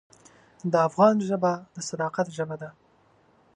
د افغان ژبه د صداقت ژبه ده.